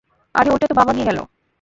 আরে ঐটা তো বাবা নিয়ে গেল!